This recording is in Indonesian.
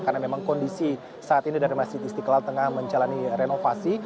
karena memang kondisi saat ini dari masjid isikla tengah menjalani renovasi